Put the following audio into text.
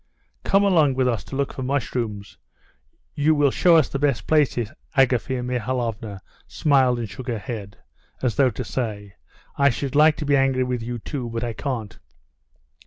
"Come along with us to look for mushrooms, you will show us the best places." Agafea Mihalovna smiled and shook her head, as though to say: "I should like to be angry with you too, but I can't."